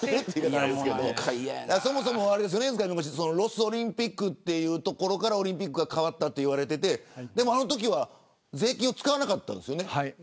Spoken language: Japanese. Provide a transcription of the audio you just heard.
そもそもロスオリンピックというところからオリンピックが変わったと言われていてでも、あのときは税金を使わなかったんですよね。